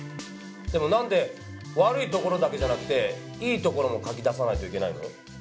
でもなんで悪いところだけじゃなくていい所も書き出さないといけないの？